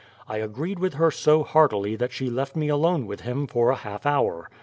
I agreed with her so heartily that she left me alone with him for a half hour.